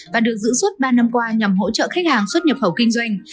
và được giữ suốt ba năm qua nhằm hỗ trợ khách hàng xuất nhập khẩu kinh doanh